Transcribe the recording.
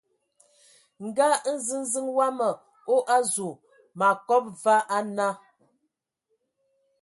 Nga nziziŋ wama o azu ma kɔb va ana.